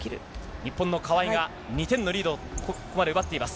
日本の川井が２点のリードをここまで奪っています。